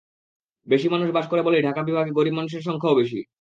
বেশি মানুষ বাস করে বলেই ঢাকা বিভাগে গরিব মানুষের সংখ্যাও বেশি।